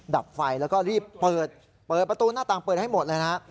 ดับไฟแล้วก็รีบเปิดเปิดประตูหน้าต่างเปิดให้หมดเลยนะฮะ